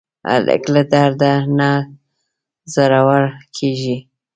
هلک له درده نه زړور کېږي.